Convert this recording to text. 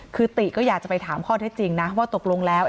คือติก็อยากจะไปถามข้อเท็จจริงนะว่าตกลงแล้ว